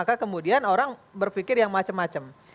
maka kemudian orang berpikir yang macem macem